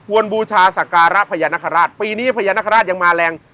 บูชาศักระพญานคราชปีนี้พญานาคาราชยังมาแรง